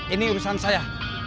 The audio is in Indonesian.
ini urusan saya